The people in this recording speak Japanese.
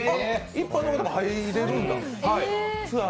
一般の方でも入れるんですね。